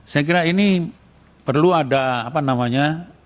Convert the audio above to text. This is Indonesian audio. saya kira ini perlu ada apa namanya